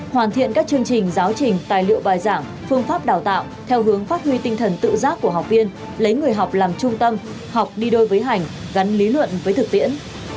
hoàn thiện các chương trình giáo trình tài liệu bài giảng phương pháp đào tạo theo hướng phát huy tinh thần tự giác của học viên lấy người học làm trung tâm học đi đôi với hành gắn lý luận với thực tiễn